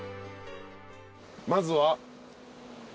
まずは？